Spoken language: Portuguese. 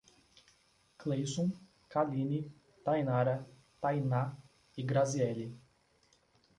Cleison, Kaline, Taynara, Thayná e Grasiele